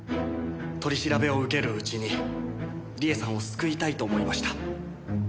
取り調べを受けるうちに理恵さんを救いたいと思いました。